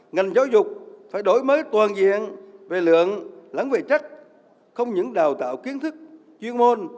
ngành giáo dục phải đổi mới toàn diện về lượng lắng về trách không những đào tạo kiến thức chuyên môn